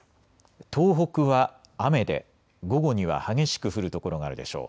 東北は雨で午後には激しく降る所があるでしょう。